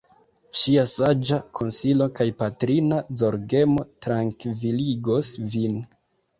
Ŝia saĝa konsilo kaj patrina zorgemo trankviligos vin.